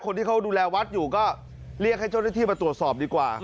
คนที่เขาดูแลวัดอยู่ก็เรียกให้เจ้าหน้าที่มาตรวจสอบดีกว่า